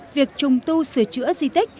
việc trùng tu sửa chữa di tích